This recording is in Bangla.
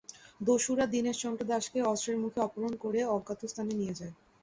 দস্যুরা দিনেশ চন্দ্র দাসকে অস্ত্রের মুখে অপহরণ করে অজ্ঞাত স্থানে নিয়ে যায়।